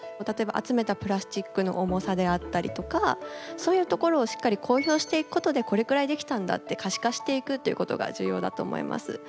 例えば集めたプラスチックの重さであったりとかそういうところをしっかり公表していくことでこれくらいできたんだって可視化していくっていうことが重要だと思います。